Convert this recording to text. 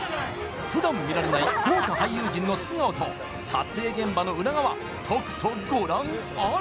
ふだん見られない豪華俳優陣の素顔と撮影現場の裏側とくとご覧あれ